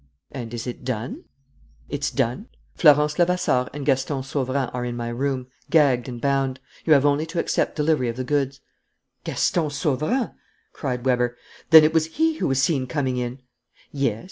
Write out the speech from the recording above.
"And is it done?" "It's done. Florence Levasseur and Gaston Sauverand are in my room, gagged and bound. You have only to accept delivery of the goods." "Gaston Sauverand!" cried Weber. "Then it was he who was seen coming in?" "Yes.